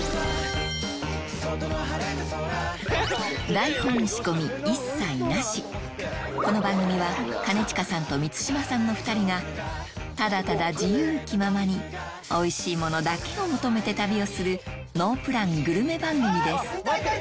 台本仕込み一切なしこの番組は兼近さんと満島さんの２人がただただ自由気ままにおいしいものだけを求めて旅をするノープラングルメ番組です